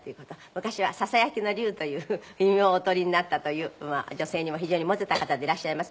昔はささやきの龍という異名をお取りになったという女性にも非常にモテた方でいらっしゃいます。